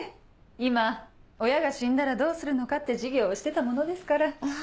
今親が死んだらどうするのかって授業をしてたものですから。